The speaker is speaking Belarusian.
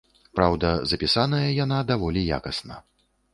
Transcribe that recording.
Праўда, запісаная яна даволі якасна.